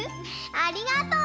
ありがとう！